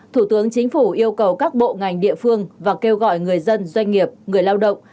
thủ tướng chính phủ yêu cầu các bộ ngành địa phương và kêu gọi người dân doanh nghiệp người lao động